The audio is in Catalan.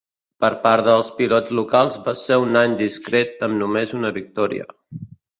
Per part dels pilots locals va ser un any discret amb només una victòria.